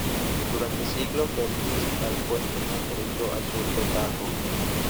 Durante siglos fue el principal puesto fronterizo al sur del Tajo.